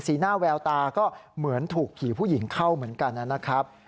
หน้าแววตาก็เหมือนถูกผีผู้หญิงเข้าเหมือนกันนะครับ